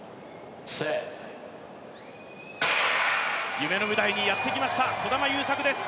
夢の舞台にやってきました、児玉悠作です。